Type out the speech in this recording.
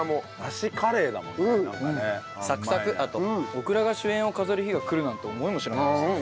オクラが主演を飾る日がくるなんて思いもしなかったですね。